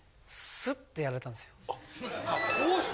スッてやられたんです。